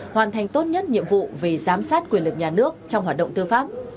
hoàn thành tốt nhất nhiệm vụ về giám sát quyền lực nhà nước trong hoạt động tư pháp